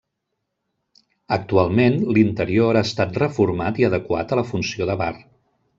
Actualment l'interior ha estat reformat i adequat a la funció de bar.